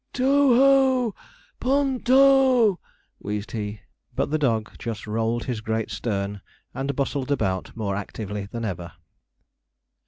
'T o o h o o! P o o n to!' wheezed he; but the dog just rolled his great stern, and bustled about more actively than ever.